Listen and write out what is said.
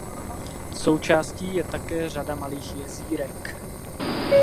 Součástí je také řada malých jezírek.